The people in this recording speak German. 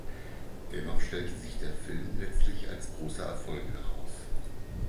Dennoch stellte sich der Film letztlich als großer Erfolg heraus.